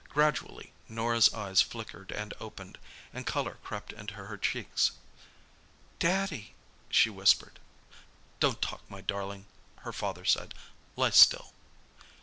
Gradually Norah's eyes flickered and opened, and colour crept into her cheeks. "Daddy!" she whispered. "Don't talk, my darling," her father said. "Lie still."